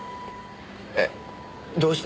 えっどうして？